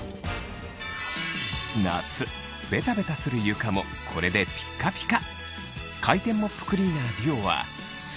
夏ベタベタする床もこれでピッカピカ！